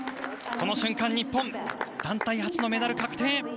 この瞬間日本団体初のメダル獲得確定。